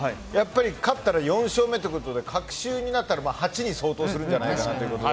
勝ったら４勝目ということで隔週になったら８に相当するんじゃないかということで。